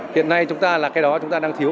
hiện nay chúng ta là cái đó chúng ta đang thiếu